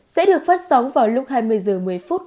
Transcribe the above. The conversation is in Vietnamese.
sẽ được phát sóng vào lúc hai mươi h một mươi phút